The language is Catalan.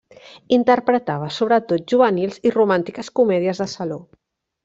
Interpretava sobretot juvenils i romàntiques comèdies de saló.